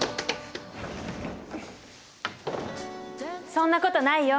そんなことないよ。